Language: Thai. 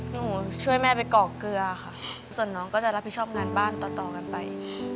หนูช่วยแม่ไปกรอกเกลือค่ะส่วนน้องก็จะรับผิดชอบงานบ้านต่อต่อกันไป